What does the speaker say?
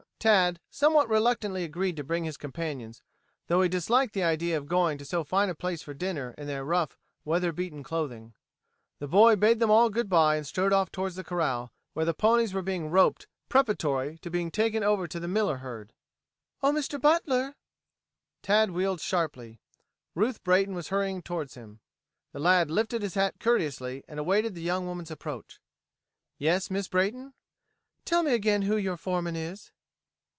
Tad somewhat reluctantly agreed to bring his companions, though he disliked the idea of going to so fine a place for dinner in their rough, weather beaten clothing. The boy bade them all good bye and strode off toward the corral, where the ponies were being roped preparatory to being taken over to the Miller herd. "Oh, Mr. Butler!" Tad wheeled sharply. Ruth Brayton was hurrying toward him. The lad lifted his hat courteously and awaited the young woman's approach. "Yes, Miss Brayton." "Tell me again who your foreman is."